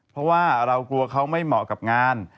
เพราะว่าเรากลัวเขาไม่เหมาะกับงาน